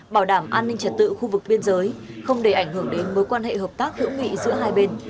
bảo đảm an ninh trật tự khu vực biên giới không để ảnh hưởng đến mối quan hệ hợp tác hữu nghị giữa hai bên